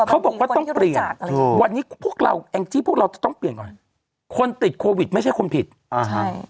เขาบอกว่าต้องเปลี่ยนวันนี้พวกเราแองจี้พวกเราจะต้องเปลี่ยนก่อนคนติดโควิดไม่ใช่คนผิดอ่าใช่